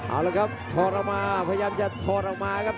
เอาละครับถอดออกมาพยายามจะถอดออกมาครับ